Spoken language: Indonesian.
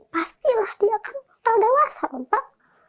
pastilah dia kan masih dewasa pak